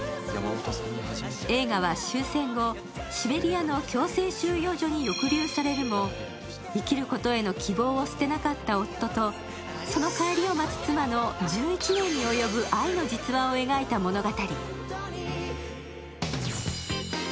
映画は終戦後、シベリアの強制収容所に抑留されるも、生きることへの希望を捨てなかった夫とその帰りを待つ妻の１１年に及ぶ愛の実話を描いた物語。